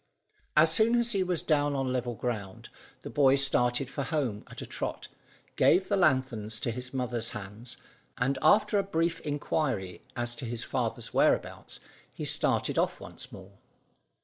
As soon as he was down on level ground, the boy started for home at a trot, gave the lanthorns into his mother's hands, and, after a brief inquiry as to his father's whereabouts, he started off once more.